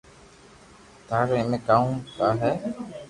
ٿارو اي مي ڪوم ڪاائہ ھي